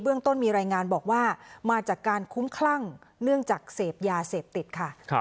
เรื่องต้นมีรายงานบอกว่ามาจากการคุ้มคลั่งเนื่องจากเสพยาเสพติดค่ะ